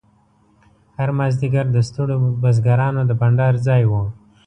هر مازیګر د ستړو بزګرانو د بنډار ځای و.